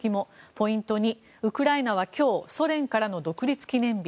ポイント２、ウクライナは今日ソ連からの独立記念日。